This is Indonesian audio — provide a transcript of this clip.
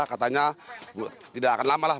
katanya tidak akan lama lah